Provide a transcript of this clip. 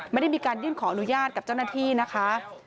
ไม่ได้มีการยื่นขออนุญาตกับเจ้าหน้าที่นะคะ